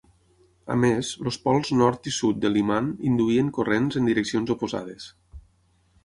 A més, els pols nord i sud de l'imant induïen corrents en direccions oposades.